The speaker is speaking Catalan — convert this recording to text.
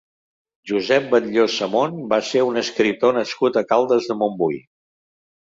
Josep Batlló Samón va ser un escriptor nascut a Caldes de Montbui.